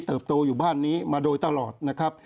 โตอยู่บ้านนี้มาโดยตลอดนะครับ